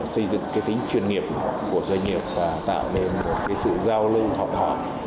xây dựng cái tính chuyên nghiệp của doanh nghiệp và tạo nên một cái sự giao lưu họp họp